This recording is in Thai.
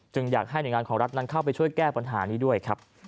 อยากให้หน่วยงานของรัฐนั้นเข้าไปช่วยแก้ปัญหานี้ด้วยครับ